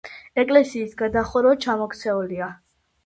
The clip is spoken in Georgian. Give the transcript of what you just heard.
ეკლესიის გადახურვა ჩამოქცეულია.